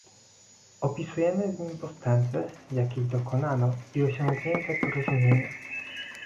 Opisujemy w nim postępy, jakich dokonano, i osiągnięte porozumienia